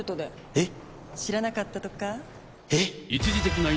えっ⁉